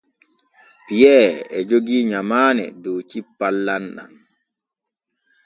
Piyee e jogii nyamaane dow cippal lamɗam.